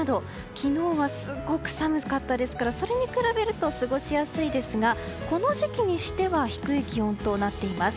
昨日はすごく寒かったですからそれに比べると過ごしやすいですがこの時期にしては低い気温となっています。